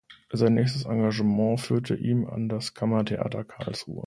Sein nächstes Engagement führte ihn an das Kammertheater Karlsruhe.